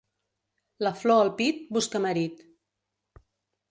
La flor al pit busca marit.